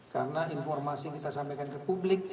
karena informasi yang kita sampaikan ke publik